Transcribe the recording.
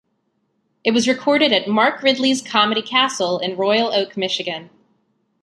It was recorded at Mark Ridley's Comedy Castle in Royal Oak, Michigan.